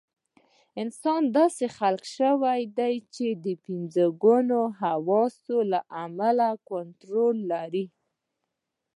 انسان داسې خلق شوی چې د پنځه ګونو حواسو له امله کنټرول لري.